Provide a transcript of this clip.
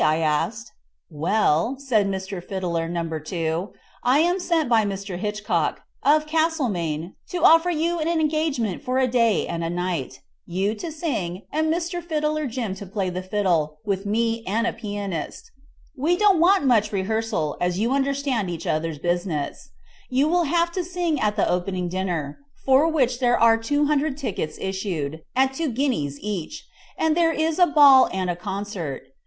I asked. "Well," said Mr. Fiddler No. 2, "I am sent by Mr. Hitchcock, of Castlemaine to offer you an engagement for a day and a night you to sing, and Mr. Fiddler Jim to play the fiddle, with me and a pianist. We don't want much rehearsal, as you understand each other's business. You will have to sing at the opening dinner, for which there are two hundred tickets issued, at two guineas each, and there is to be a ball and concert.